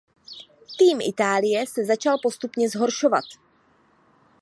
Tým Itálie se začal postupně zhoršovat.